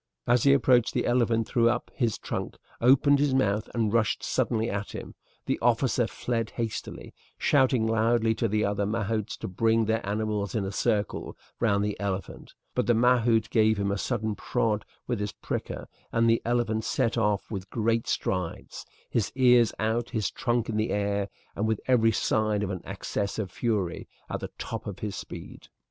As he approached the elephant threw up his trunk, opened his mouth, and rushed suddenly at him. The officer fled hastily, shouting loudly to the other mahouts to bring their animals in a circle round the elephant, but the mahout gave him a sudden prod with his pricker and the elephant set off with great strides, his ears out, his trunk in the air, and with every sign of an access of fury, at the top of his speed.